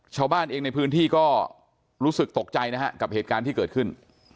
ชาวบ้านเองในพื้นที่ก็รู้สึกตกใจนะฮะกับเหตุการณ์ที่เกิดขึ้น